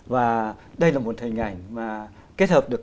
và đây là một hình ảnh mà kết hợp được